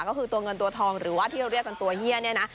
ก็คือตัวเงินตัวทองหรือว่าที่เราเรียกกันตัวเฮียเนี่ยนะ